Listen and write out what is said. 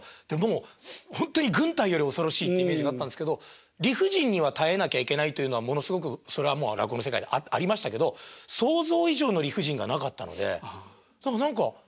もうほんとに軍隊より恐ろしいっていうイメージがあったんですけど理不尽には耐えなきゃいけないというのはものすごくそれはもう落語の世界でありましたけど想像以上の理不尽がなかったので何か楽しいっていうのはありましたね。